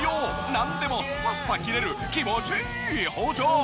なんでもスパスパ切れる気持ちいい包丁。